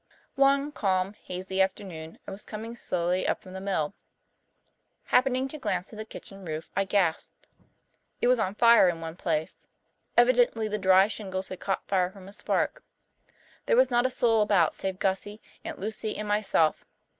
One calm, hazy afternoon I was coming slowly up from the mills. Happening to glance at the kitchen roof, I gasped. It was on fire in one place. Evidently the dry shingles had caught fire from a spark. There was not a soul about save Gussie, Aunt Lucy, and myself.